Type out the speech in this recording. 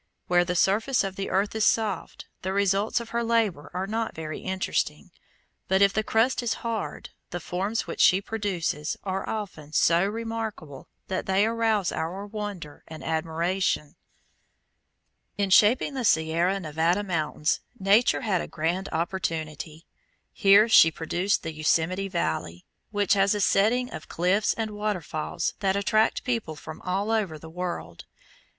Where the surface of the earth is soft the results of her labor are not very interesting, but if the crust is hard the forms which she produces are often so remarkable that they arouse our wonder and admiration. [Illustration: FIG. 12. SAN JOAQUIN RIVER EMERGING UPON THE PLAIN OF THE GREAT VALLEY] In shaping the Sierra Nevada mountains Nature had a grand opportunity. Here she produced the Yosemite Valley, which has a setting of cliffs and waterfalls that attract people from all over the world.